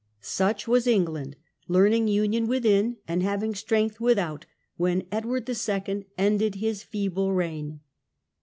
Such was England, learning union within and having strength without, when Edward II. ended his feeble reign.